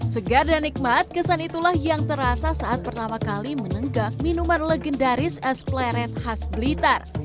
segar dan nikmat kesan itulah yang terasa saat pertama kali menenggak minuman legendaris es pleret khas blitar